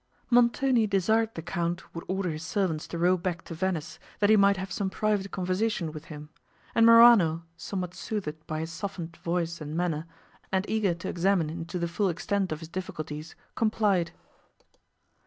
Montoni desired the Count would order his servants to row back to Venice, that he might have some private conversation with him; and Morano, somewhat soothed by his softened voice and manner, and eager to examine into the full extent of his difficulties, complied.